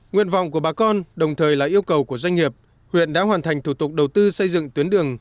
nguyện vọng của bà con đồng thời là yêu cầu của doanh nghiệp huyện đã hoàn thành thủ tục đầu tư xây dựng tuyến đường